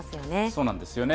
そうなんですよね。